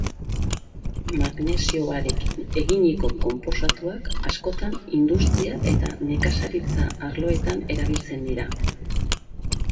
Magnesioarekin eginiko konposatuak askotan industria eta nekazaritza arloetan erabiltzen dira.